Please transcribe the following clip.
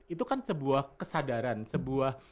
itu kan sebuah kesadaran sebuah